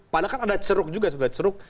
padahal kan ada ceruk juga sebenarnya ceruk